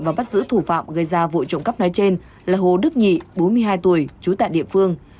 và bắt giữ thủ phạm gây ra vụ trộm cắp nói trên là hồ đức nhị bốn mươi hai tuổi trú tại địa phương